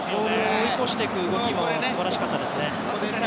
追い越していく動きも素晴らしかったですね。